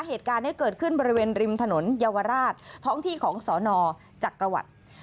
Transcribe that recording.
เหตุการณ์นี้เกิดขึ้นบริเวณริมถนนเยาวราชท้องที่ของสนจักรวรรดิ